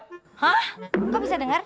hah kok bisa denger